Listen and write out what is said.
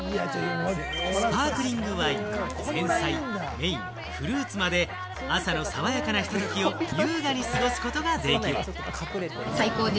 スパークリングワイン、前菜、メイン、フルーツまで、朝の爽やかなひとときを優雅に過ごすことができる。